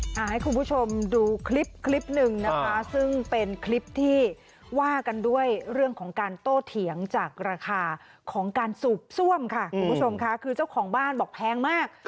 เอาให้คุณผู้ชมดูคลิปคลิปหนึ่งนะคะซึ่งเป็นคลิปที่ว่ากันด้วยเรื่องของการโต้เถียงจากราคาของการสูบซ่วมค่ะคุณผู้ชมค่ะคือเจ้าของบ้านบอกแพงมาก